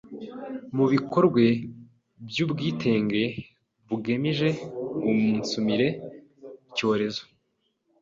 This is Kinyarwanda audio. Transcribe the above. mu bikorwe by’ubwitenge bugemije guumunsimire icyorezo